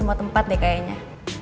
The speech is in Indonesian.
semua tempat deh kayaknya